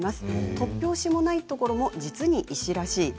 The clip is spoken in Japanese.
突拍子もないところも実に医師らしい。